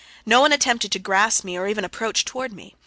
No one attempted to grasp me or even approach toward me.